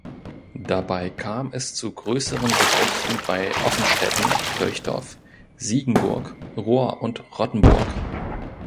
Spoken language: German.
Dabei kam es zu größeren Gefechten bei Offenstetten, Kirchdorf, Siegenburg, Rohr und Rottenburg.